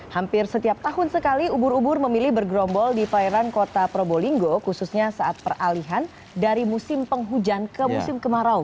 hampir setiap tahun sekali ubur ubur memilih bergerombol di perairan kota probolinggo khususnya saat peralihan dari musim penghujan ke musim kemarau